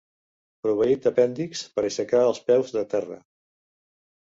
Proveït d'apèndixs per aixecar els peus de terra.